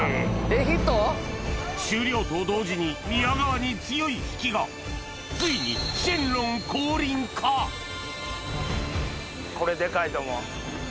終了と同時に宮川に強い引きがついにこれデカいと思う。